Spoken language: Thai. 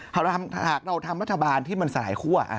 หากเราทำรัฐบาลที่มันสลายคั่ว